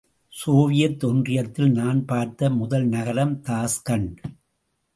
Soviet ஒன்றியத்தில் நான் பார்த்த முதல் நகரம் தாஷ்கண்ட்.